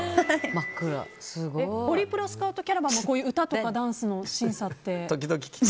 ホリプロスカウトキャラバンもこういう歌とかダンスの審査って？